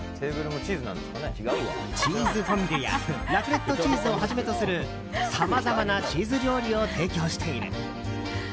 チーズフォンデュやラクレットチーズをはじめとするさまざまなチーズ料理を提供している。